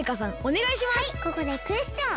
はいここでクエスチョン。